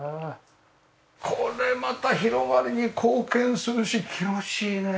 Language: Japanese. これまた広がりに貢献するし気持ちいいね。